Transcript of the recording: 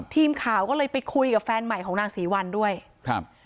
ทีมข่าวก็เลยไปคุยกับแฟนใหม่ของนางศรีวัลด้วยครับ